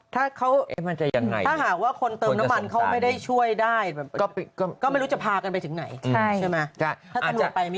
ถ้าหากว่าคนเติมน้ำมันเขาไม่ได้ช่วยได้ก็ไม่รู้จะพากันไปถึงไหนใช่ไหม